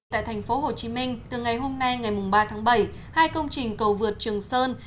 tại thành phố hồ chí minh từ ngày hôm nay ngày ba tháng bảy hai công trình cầu vượt trường sơn